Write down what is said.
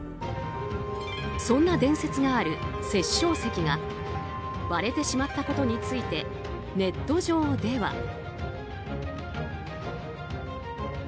そんな伝説がある殺生石が割れてしまったことについてネット上では。